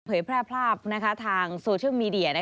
แพร่ภาพทางโซเชียลมีเดีย